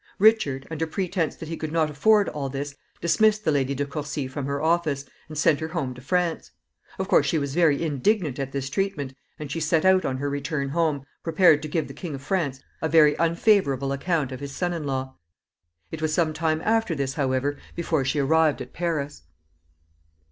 Richard, under pretense that he could not afford all this, dismissed the Lady De Courcy from her office, and sent her home to France. Of course she was very indignant at this treatment, and she set out on her return home, prepared to give the King of France a very unfavorable account of his son in law. It was some time after this, however, before she arrived at Paris.